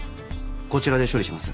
こちらで処理します。